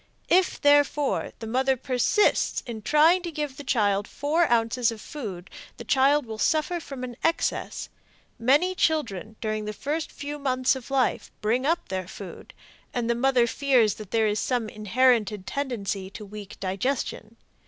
If, therefore, the mother persists in trying to give the child four ounces of food, the child will suffer from an excess. Many children during the first few mouths of life bring up their food, and the mother fears that there is some inherited tendency to weak digestion.